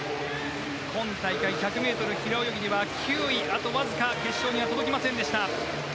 今大会１００ｍ平泳ぎでは９位あとわずか決勝には届きませんでした。